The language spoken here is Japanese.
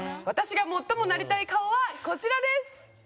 私が最もなりたい顔はこちらです。